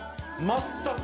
全く。